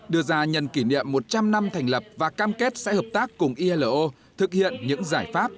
đưa ra nhận kỷ niệm một trăm linh năm thành lập và cam kết sẽ hợp tác cùng ilo thực hiện những giải pháp